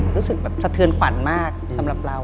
รู้สึกแบบสะเทือนขวัญมากสำหรับเรา